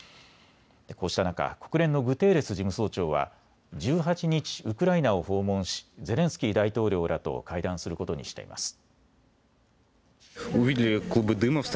こうした中、国連のグテーレス事務総長は１８日、ウクライナを訪問しゼレンスキー大統領らと会談することにしています。